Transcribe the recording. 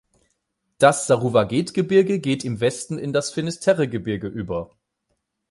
Das Saruwaged-Gebirge geht im Westen in das Finisterre-Gebirge über.